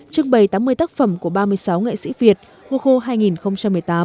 trưng bày tám mươi tác phẩm của ba mươi sáu nghệ sĩ việt goo hai nghìn một mươi tám